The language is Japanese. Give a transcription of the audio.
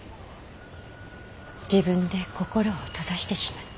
自分で心を閉ざしてしまって。